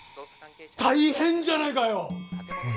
大変じゃないかよ！